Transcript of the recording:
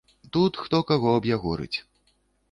Тут хто каго аб'ягорыць.